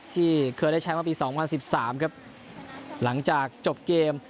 ที่เคยได้แชมป์มาปีสองพันสิบสามครับหลังจากจบเกม